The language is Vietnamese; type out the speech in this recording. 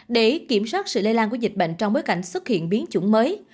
để kiểm soát sự lây lan của dịch bệnh trong bối cảnh xuất hiện biến chủng mới